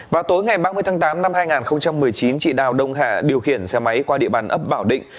vào tối ngày ba mươi tháng tám năm hai nghìn một mươi chín chị đào đông hà điều khiển xe máy qua địa bàn ấp bảo định